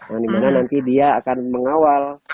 yang dimana nanti dia akan mengawal